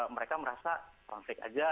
mereka merasa konflik aja